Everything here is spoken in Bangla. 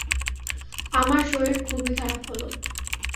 আমার শরীর খুবই খারাপ হল।